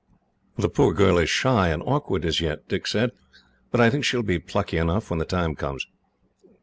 "The poor girl is shy and awkward, as yet," Dick said, "but I think she will be plucky enough, when the time comes.